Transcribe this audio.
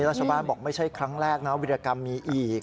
รัชบ้านบอกไม่ใช่ครั้งแรกนะว่าวีระกำมีอีก